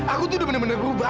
aku tuh udah bener bener rubah